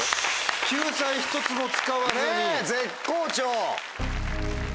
救済１つも使わずに。ね絶好調。